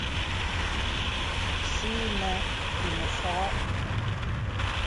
Sì yìnə ìnə fɔ̄gɔ̄.